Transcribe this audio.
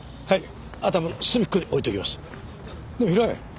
はい！